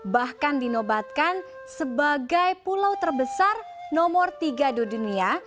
bahkan dinobatkan sebagai pulau terbesar nomor tiga di dunia